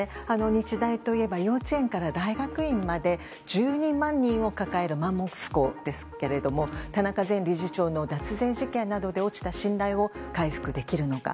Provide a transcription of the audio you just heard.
日大といえば幼稚園から大学院まで１２万人を抱えるマンモス校ですが田中前理事長の脱税事件などで落ちた信頼を回復できるのか。